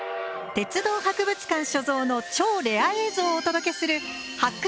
鉄道博物館所蔵の超レア映像をお届けする「発掘！